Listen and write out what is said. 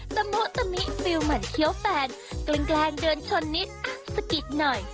ตะมุตตะมิฟิวเหมือนเคี้ยวแฟนกลางแกลงเดินชนนิดอัศกิดหน่อย